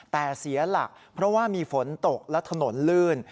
แต่เสียหลักเพราะว่ามีฝนตกและถนนลื่น